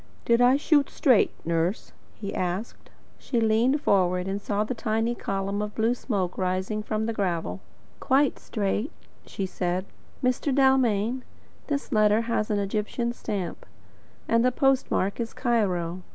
"Did I shoot straight, nurse?" he asked. She leaned forward and saw the tiny column of blue smoke rising from the gravel. "Quite straight," she said. "Mr. Dalmain, this letter has an Egyptian stamp, and the postmark is Cairo.